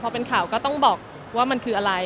พอเป็นข่าวก็ต้องบอกว่ามันคืออะไร